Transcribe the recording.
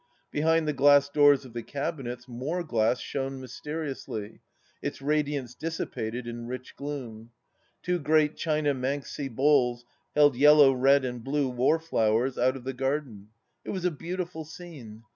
Behind the glass doors of the cabinets more glass shone mysteriously, its radiance dissipated in rich gloom. Two great china Mangtze bowls held yellow, red, and blue war flowers out of the garden. It was a beautiful scene.